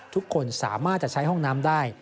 ทุกคนสามารถจะใช้ห้องน้ำได้